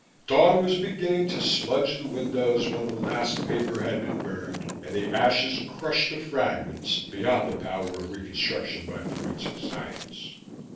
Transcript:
Dawn was beginning to smudge the windows when the last paper had been burned and the ashes crushed to fragments beyond the power of reconstruction by forensic science.